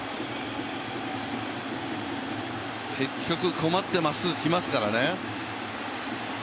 結局困ってまっすぐ来ますからね。